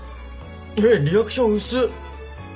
リアクション薄っ！